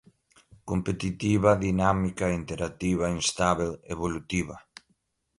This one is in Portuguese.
competitiva, dinâmica, interativa, instável, evolutiva